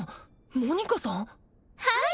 モニカさんはい！